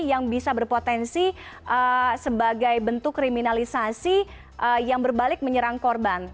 yang bisa berpotensi sebagai bentuk kriminalisasi yang berbalik menyerang korban